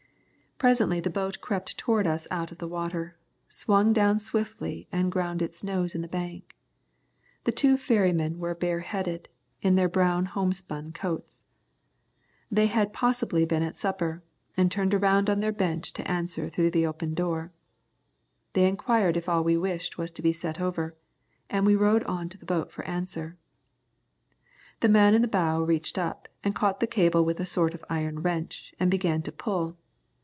Presently the boat crept towards us out of the water, swung down swiftly and ground its nose in the bank. The two ferrymen were bareheaded, in their brown homespun coats. They had possibly been at supper, and turned around on their bench to answer through the open door. They inquired if we all wished to be set over, and we rode on to the boat for answer. The man in the bow reached up and caught the cable with a sort of iron wrench, and began to pull.